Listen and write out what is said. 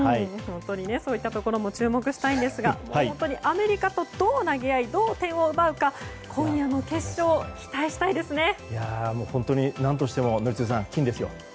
そういったところにも注目したいんですがアメリカとどう投げ合いどう点を奪うか今夜の決勝何としても宜嗣さん、金ですよ。